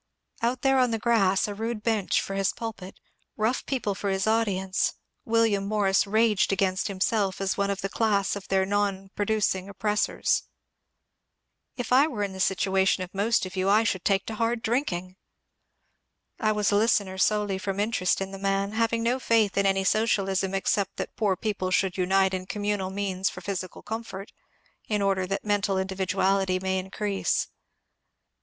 Out there on the grass, a rude bench for his pulpit, rough people for his audience, William Morris raged against himself as one of the class of their non produ cing oppressors. ^^ If I were in the situation of most of you I shoidd take to hard drinking." I was a listener solely from interest in the man, having no faith in any socialism except that poor people should unite in communal means for physi cal comfort, in order that mental individuality may increase.